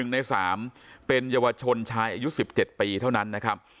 ๑ใน๓เป็นเยาวชนชายอายุ๑๗ปีเท่านั้นนะครับ